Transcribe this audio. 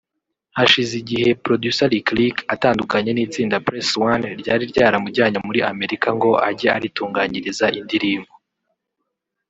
Hashize igihe Producer Lick Lick atandukanye n’itsinda Press One ryari ryaramujyanye muri Amerika ngo ajye aritunganyiriza indirimbo